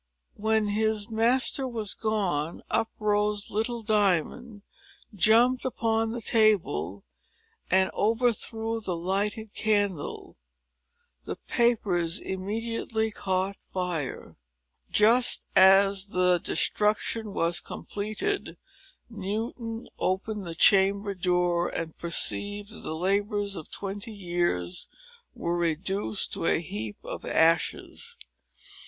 When his master was gone, up rose little Diamond, jumped upon the table, and overthrew the lighted candle. The papers immediately caught fire. Just as the destruction was completed, Newton opened the chamber door, and perceived that the labors of twenty years were reduced to a heap of ashes.